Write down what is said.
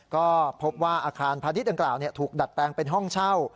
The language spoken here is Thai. ก็พบว่าอาคารพาณิชยดังกล่าวถูกดัดแปลงเป็นห้องเช่า